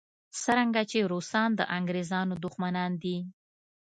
څرنګه چې روسان د انګریزانو دښمنان دي.